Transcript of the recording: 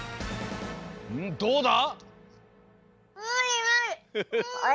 どうだ？